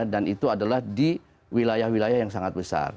dan itu adalah di wilayah wilayah yang sangat besar